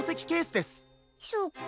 そっか。